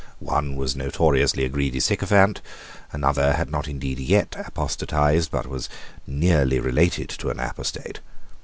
One was notoriously a greedy sycophant. Another had not indeed yet apostatized, but was nearly related to an apostate.